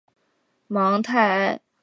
芒泰埃。